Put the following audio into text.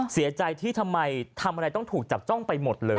เสียใจที่ทำไมทำอะไรต้องถูกจับจ้องไปหมดเลย